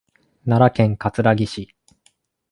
奈良県葛城市